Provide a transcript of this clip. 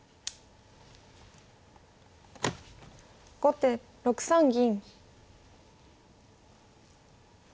後手６三銀。